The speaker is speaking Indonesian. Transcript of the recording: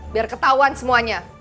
biar ketahuan semuanya